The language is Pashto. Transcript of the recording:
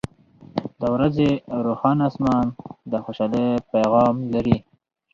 • د ورځې روښانه آسمان د خوشحالۍ پیغام لري.